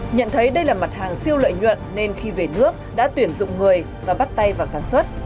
nhận thấy đây là mặt hàng siêu lợi nhuận nên khi về nước đã tuyển dụng người và bắt tay vào sản xuất